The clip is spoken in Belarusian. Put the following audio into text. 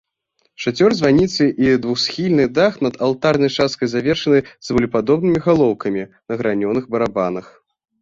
Шацёр званіцы і двухсхільны дах над алтарнай часткай завершаны цыбулепадобнымі галоўкамі на гранёных барабанах.